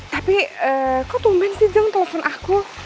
tapi kok tumben sih jeng telpon aku